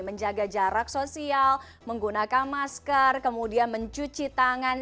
menjaga jarak sosial menggunakan masker kemudian mencuci tangan